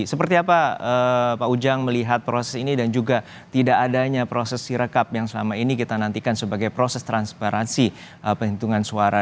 seperti apa pak ujang melihat proses ini dan juga tidak adanya proses sirekap yang selama ini kita nantikan sebagai proses transparansi penghitungan suara